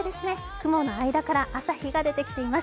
雲の合間から朝日が出てきています。